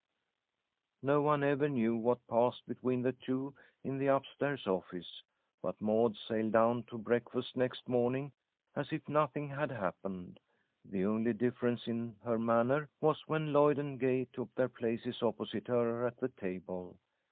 No one ever knew what passed between the two in the up stairs office, but Maud sailed down to breakfast next morning as if nothing had happened. The only difference in her manner was when Lloyd and Gay took their places opposite her at the table.